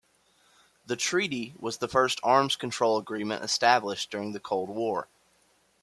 The treaty was the first arms control agreement established during the Cold War.